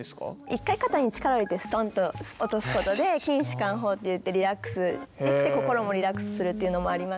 一回肩に力を入れてストンと落とすことで筋しかん法っていってリラックスできて心もリラックスするっていうのもあります。